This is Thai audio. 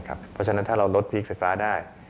เพราะฉะนั้นถ้าเราลดพีคไฟฟ้าได้